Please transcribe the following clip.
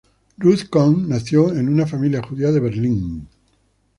Ruth Cohn nació en una familia judía de Berlín.